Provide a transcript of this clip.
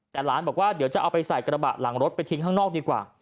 แต่หลานบอกว่าเดี๋ยวจะเอาไปใส่กระบะหลังรถไปทิ้งข้างนอกดีกว่า